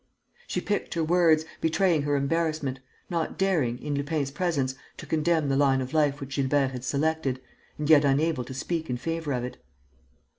She picked her words, betraying her embarrassment, not daring, in Lupin's presence, to condemn the line of life which Gilbert had selected and yet unable to speak in favour of it.